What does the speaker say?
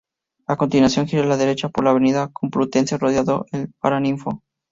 A continuación, gira a la derecha por la Avenida Complutense rodeando el Paraninfo.